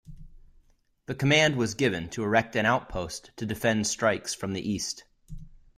The command was given to erect an outpost to defend strikes from the east.